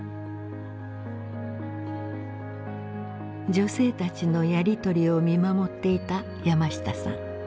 女性たちのやり取りを見守っていた山下さん。